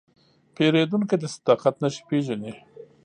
پیرودونکی د صداقت نښې پېژني.